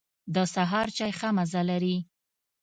د سهار چای ښه مزه لري.